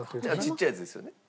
ちっちゃいやつですよね。